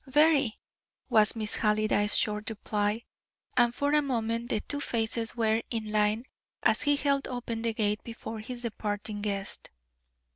"Very," was Miss Halliday's short reply; and for a moment the two faces were in line as he held open the gate before his departing guest.